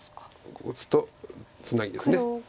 こう打つとツナギです。